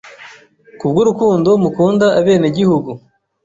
kubw’urukundo mukunda abene gihugu